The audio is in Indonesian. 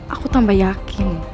aku tambah yakin